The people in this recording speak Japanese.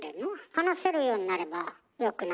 話せるようになればよくない？